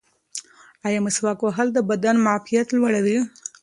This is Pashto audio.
ایا مسواک وهل د بدن معافیت لوړوي؟